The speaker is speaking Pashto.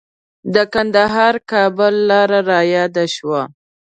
د کندهار-کابل لاره رایاده شوه.